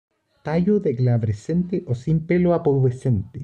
Tallo de glabrescente o sin pelo a pubescente.